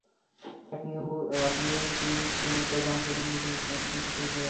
একটি new Tinsukia junction এবং অন্যটি তিনসুকিয়া জংশন।